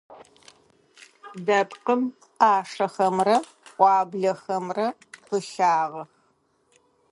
Дэпкъым ӏашэхэмрэ пӏуаблэхэмрэ пылъагъэх.